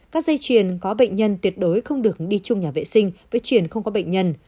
các dây chuyền có bệnh nhân tuyệt đối không được đi chung nhà vệ sinh vận chuyển không có bệnh nhân